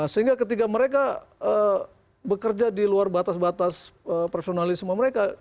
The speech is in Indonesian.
sehingga ketika mereka bekerja di luar batas batas personalisme mereka